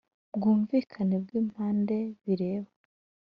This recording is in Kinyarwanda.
Bwumvikane bw impande bireba